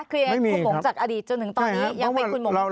คุณหมงจากอดีตจนถึงตอนนี้ยังไม่คุณหมง